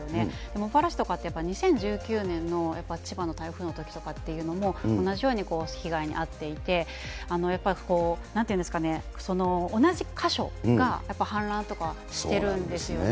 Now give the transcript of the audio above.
茂原市とかって、２０１９年の千葉の台風のときとかっていうのも、同じように被害に遭っていて、やっぱりなんていうんですかね、同じ箇所がやっぱり氾濫とかしてるんですよね。